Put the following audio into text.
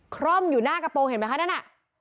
คร่อมอยู่หน้ากระโปรงเห็นไหมคะนั่นน่ะ